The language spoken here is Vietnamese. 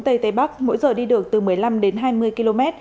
tây tây bắc mỗi giờ đi được từ một mươi năm đến hai mươi km